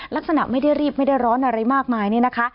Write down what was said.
ลักษณะไม่ได้รีบไม่ได้ร้อนอะไรมากมายนี่นะคะ